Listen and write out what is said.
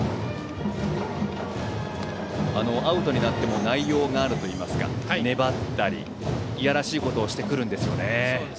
アウトになっても内容があるといいますか粘ったり、嫌らしいことをしてくるんですよね。